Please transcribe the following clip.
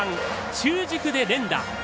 中軸で連打。